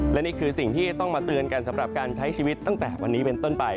และนี่คือสิ่งที่ต้องมาเตือนกันสำหรับการใช้ชีวิตตั้งแต่วันนี้เป็นต้นไป